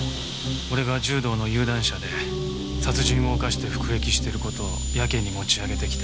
俺が柔道の有段者で殺人を犯して服役してる事をやけに持ち上げてきて。